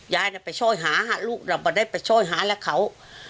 ยายไปช่วยหาลูกเราก็ได้ไปช่วยหาแล้วเขา